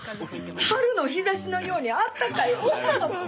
春の日ざしのようにあったかい女の子！